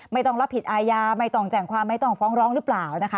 ไม่ต้องรับผิดอาญาไม่ต้องแจ้งความไม่ต้องฟ้องร้องหรือเปล่านะคะ